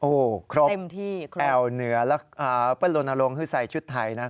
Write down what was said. โอ้ครบแอวเหนือและเป็นลงที่ใส่ชุดไทยนะ